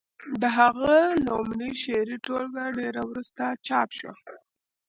د هغه لومړۍ شعري ټولګه ډېره وروسته چاپ شوه